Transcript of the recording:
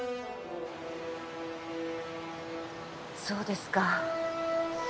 そうですか。